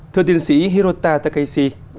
thưa tiến sĩ hirota takeshi